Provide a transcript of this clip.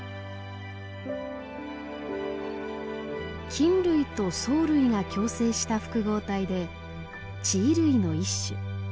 菌類と藻類が共生した複合体で地衣類の一種。